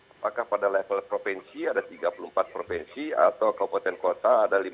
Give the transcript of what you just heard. apakah pada level provinsi ada tiga puluh empat provinsi atau kompetensi kota ada lima ratus empat belas